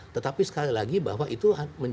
tetapi sekali lagi bahwa itu